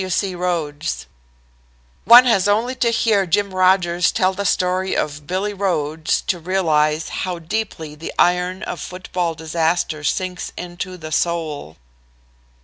W. C. Rhodes One has only to hear Jim Rodgers tell the story of Billy Rhodes to realize how deeply the iron of football disaster sinks into the soul.